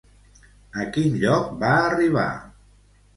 A quin lloc va arribar?